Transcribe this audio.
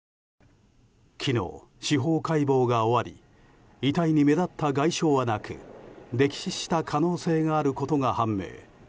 昨日、司法解剖が終わり遺体に目立った外傷はなく溺死した可能性があることが判明。